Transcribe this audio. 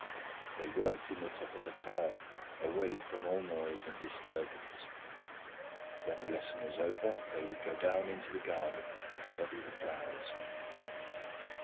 They worked in the top of a tower, away from all noise and disturbance. When the lesson was over, they would go down into the garden and study the flowers.